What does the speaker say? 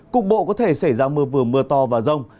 cục bộ có thể xảy ra mưa vừa mưa to và rông